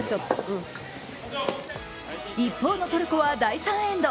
一方のトルコは第３エンド。